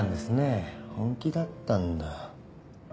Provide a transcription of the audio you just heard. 本気だったんだ。